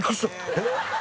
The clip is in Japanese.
えっ？